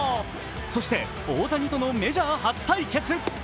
そして、大谷とのメジャー初対決。